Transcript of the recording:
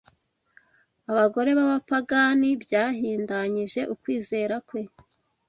abagore b’abapagani byahindanyije ukwizera kwe.